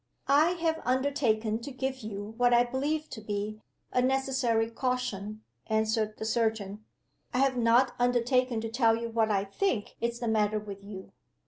"I have undertaken to give you, what I believe to be, a necessary caution," answered the surgeon. "I have not undertaken to tell you what I think is the matter with you.